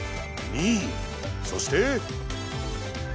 そして３！